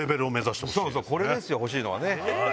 これですよ欲しいのはね。